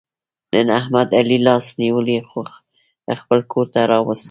نن احمد علي لاس نیولی خپل کورته را وست.